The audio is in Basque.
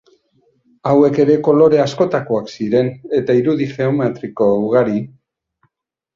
Hauek ere kolore askotakoak ziren eta irudi geometriko ugari.